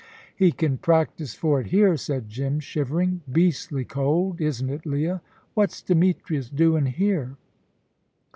"He can practise for it here," said Jim, shivering, "Beastly cold, isn't it, Leah? What's Demetrius doin' here?"